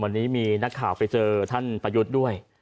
วันนี้มีนักข่าวไปเจอท่านประยุทธ์ด้วย